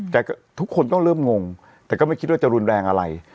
แต่ทุกคนต้องเริ่มงงแต่ก็ไม่คิดว่าจะรุนแรงอะไร